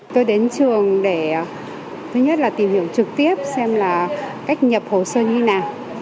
tôi đến trường để thứ nhất là tìm hiểu trực tiếp xem là cách nhập hồ sơ như nào